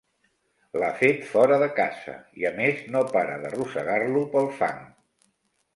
L'ha fet fora de casa i, a més, no para d'arrossegar-lo pel fang.